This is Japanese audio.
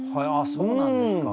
そうなんですか。